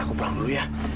aku pulang dulu ya